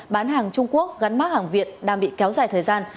bán hàng trung quốc gắn mát hàng việt đang bị kéo dài thời gian